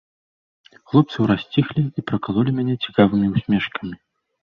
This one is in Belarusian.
Хлопцы ўраз сціхлі і пракалолі мяне цікавымі ўсмешкамі.